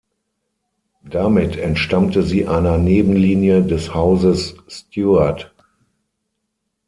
Damit entstammte sie einer Nebenlinie des Hauses Stuart.